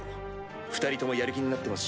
２人ともやる気になってますし。